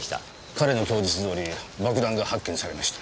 彼の供述どおり爆弾が発見されました。